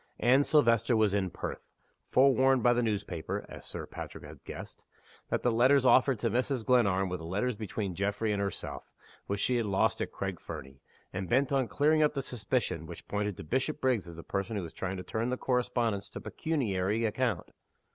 Anne Silvester was in Perth; forewarned by the newspaper (as Sir Patrick had guessed) that the letters offered to Mrs. Glenarm were the letters between Geoffrey and herself, which she had lost at Craig Fernie, and bent on clearing up the suspicion which pointed to Bishopriggs as the person who was trying to turn the correspondence to pecuniary account.